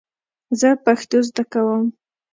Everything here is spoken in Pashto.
زه پښتو زده کوم .